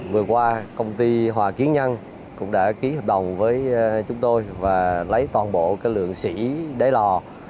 vừa qua công ty hòa kiến nhân cũng đã ký hợp đồng với chúng tôi và lấy toàn bộ lượng sĩ để lò